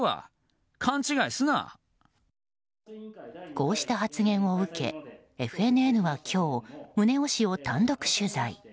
こうした発言を受けＦＮＮは今日宗男氏を単独取材。